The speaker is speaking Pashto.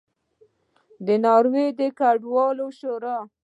د ناروې د کډوالو شورا